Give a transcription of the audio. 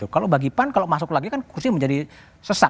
kalau bagi pan kalau masuk lagi kan kursi menjadi sesak